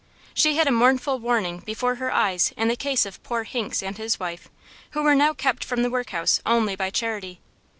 She had a mournful warning before her eyes in the case of poor Hinks and his wife, who were now kept from the workhouse only by charity.